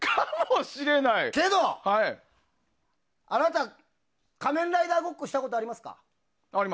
けど、あなた「仮面ライダー」ごっこしたことありますか？